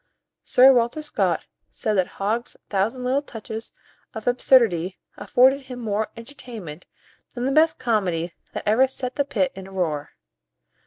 Sir Walter Scott said that Hogg's thousand little touches of absurdity afforded him more entertainment than the best comedy that ever set the pit in a roar.